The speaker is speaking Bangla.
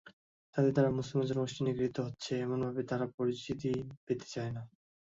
তাদের দ্বারা মুসলমান জনগোষ্ঠী নিগৃহীত হচ্ছে—এমনভাবে তারা পরিচিতি পেতে চায় না।